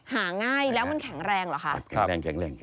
หาง่ายแล้วมันแข็งแรงเหรอคะแข็งแรงแข็งแรง